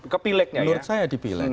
ke pileknya ya menurut saya di pilek